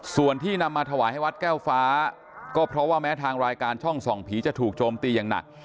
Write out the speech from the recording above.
ส่วนที่นำมาถวายให้วัดแก้วฟ้าก็เพราะว่าแม้ทางรายการช่องส่องผีจะถูกโจมตีอย่างหนัก